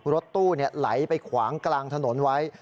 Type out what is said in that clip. รถตู้ไหลไปขวางกลางถนนไว้